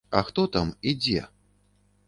А хто там і дзе?